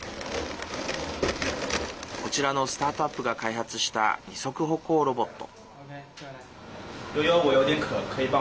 こちらのスタートアップが開発した、二足歩行ロボット。